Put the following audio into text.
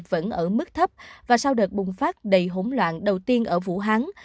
vẫn ở mức thấp và sau đợt bùng phát đầy hỗn loạn đầu tiên ở vũ hán